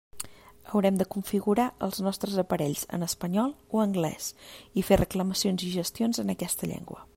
Haurem de configurar els nostres aparells en espanyol o anglès, i fer reclamacions i gestions en aquesta llengua.